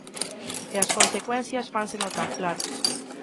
E as consecuencias fanse notar, claro.